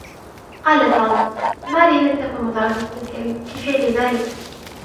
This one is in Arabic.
قال توم: ماري لم تكن متردده في فعل ذلك.